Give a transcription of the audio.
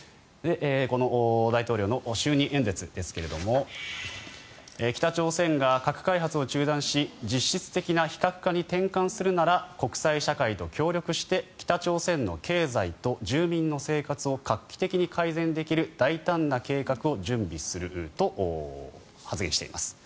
この大統領の就任演説ですが北朝鮮が核開発を中断し実質的な非核化に転換するなら国際社会と協力して北朝鮮の経済と住民の生活を画期的に改善できる大胆な計画を準備すると発言しています。